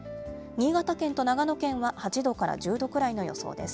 新潟県と長野県は８度から１０度くらいの予想です。